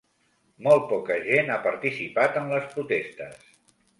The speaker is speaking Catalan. Molt poca gent ha participat en les protestes.